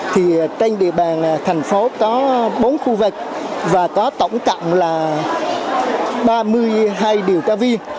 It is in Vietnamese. thì trên địa bàn thành phố có bốn khu vực và có tổng cộng là ba mươi hai điều tra viên